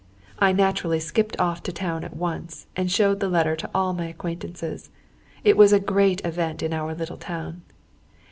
I naturally skipped off to town at once, and showed the letter to all my acquaintances. It was a great event in our little town.